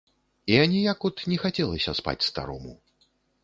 І аніяк от не хацелася спаць старому.